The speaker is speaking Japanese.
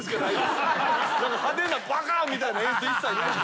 派手なバカーンみたいな演出一切ない。